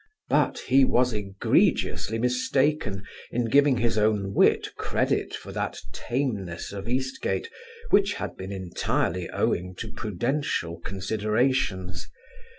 But he was egregiously mistaken in giving his own wit credit for that tameness of Eastgate, which had been entirely owing to prudential considerations.